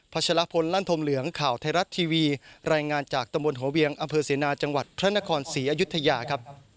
ชะลพลลั่นธมเหลืองข่าวไทยรัฐทีวีรายงานจากตำบลหัวเวียงอำเภอเสนาจังหวัดพระนครศรีอยุธยาครับ